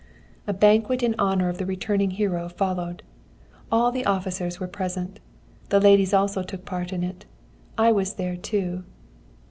"A banquet in honour of the returning hero followed. All the officers were present. The ladies also took part in it. I was there too.